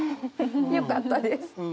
よかったです。